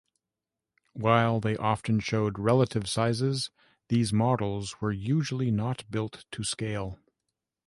While they often showed relative sizes, these models were usually not built to scale.